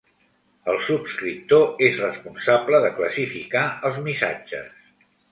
El subscriptor és responsable de classificar els missatges.